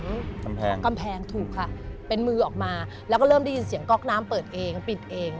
กำแพงกำแพงถูกค่ะเป็นมือออกมาแล้วก็เริ่มได้ยินเสียงก๊อกน้ำเปิดเองปิดเอง